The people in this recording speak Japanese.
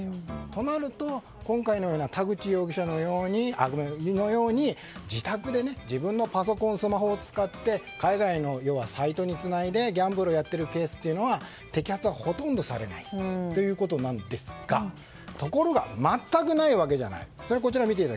となると今回の田口容疑者のように自宅で自分のパソコン、スマホを使って海外のサイトにつないでギャンブルをやっているケースは摘発はほとんどされないということなんですがところが全くないわけじゃない。